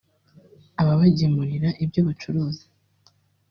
ababagemurira ibyo bacuruza